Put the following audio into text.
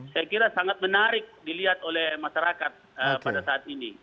saya kira sangat menarik dilihat oleh masyarakat pada saat ini